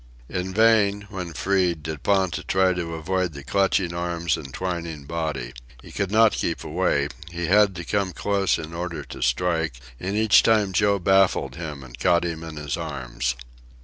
In vain, when freed, did Ponta try to avoid the clutching arms and twining body. He could not keep away. He had to come close in order to strike, and each time Joe baffled him and caught him in his arms.